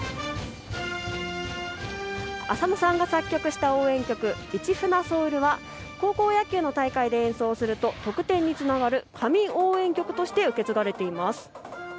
浅野さんが作曲した応援曲、市船ｓｏｕｌは高校野球の大会で演奏すると得点につながる神応援曲として受け継がれています。